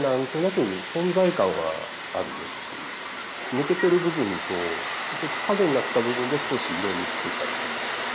抜けてる部分とちょっと影になった部分で少し色みつけたりとか。